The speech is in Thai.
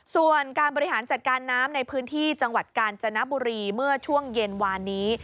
ส่วนการบริหารจัดการน้ำในพื้นที่จังหวัดกาญจนบุรีเมื่อช่วงเย็นวานนี้